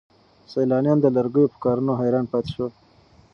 سیلانیان د لرګیو په کارونو حیران پاتې شول.